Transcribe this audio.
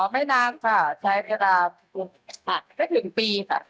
ไม่นานค่ะใช้เวลาสักถึงปีค่ะ